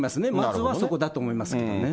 まずはそこだと思いますけどね。